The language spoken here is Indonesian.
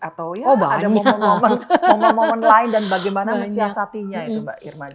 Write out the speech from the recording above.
atau ya ada momen momen momen momen lain dan bagaimana menyiasatinya itu mbak irma